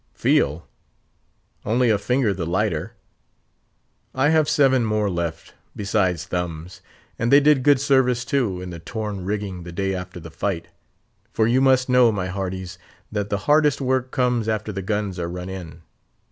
"Feel! only a finger the lighter. I have seven more left, besides thumbs; and they did good service, too, in the torn rigging the day after the fight; for you must know, my hearties, that the hardest work comes after the guns are run in.